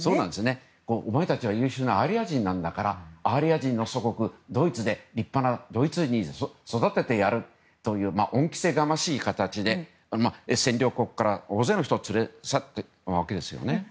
お前たちは優秀なアーリア人なんだからアーリア人の祖国ドイツで立派なドイツ人に育ててやるという恩着せがましい形で占領国から大勢の人たちを連れ去ったわけですよね。